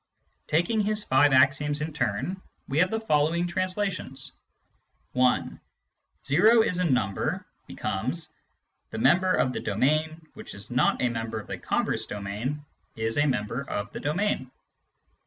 Taking his five axioms in turn, we have the following translations :— (i) " o is a number " becomes :" The member of the domain which is not a member of the converse domain is a member of the domain."